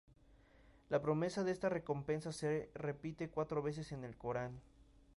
La promesa de esta recompensa se repite cuatro veces en el Corán.